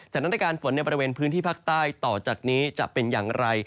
สถานการณ์ฝนในบริเวณพื้นที่ภาคใต้ต่อจากนี้จะเป็นอย่างไร